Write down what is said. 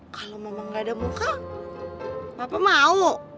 kalau mama gak ada muka papa mau